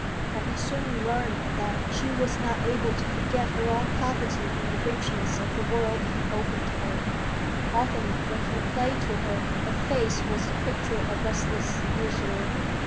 But he soon learned that she was not able to forget her own poverty in the richness of the world he opened to her. Often when he played to her, her face was the picture of restless misery.